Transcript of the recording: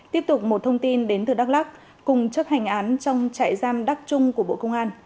tiếp tục một thông tin đến từ đắk lắc cùng chất hành án trong trại giam đắk trung của bộ công an